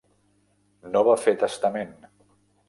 No va fer testament.